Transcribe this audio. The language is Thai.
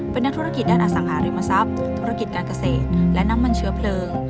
เป็นนักธุรกิจด้านอสังหาริมทรัพย์ธุรกิจการเกษตรและน้ำมันเชื้อเพลิง